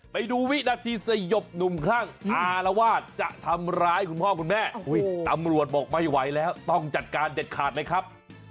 ไปดูวินาทีสยบหนุ่มคลั่งอารวาสจะทำร้ายคุณพ่อคุณแม่ตำรวจบอกไม่ไหวแล้วต้องจัดการเด็ดขาดเลยครับ